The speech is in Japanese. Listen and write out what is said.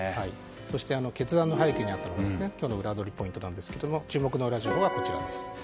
そして決断の背景にあったのが今日のウラどりポイントなんですが注目のウラ情報はこちらです。